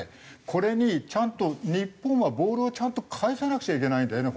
これにちゃんと日本はボールをちゃんと返さなくちゃいけないんだよね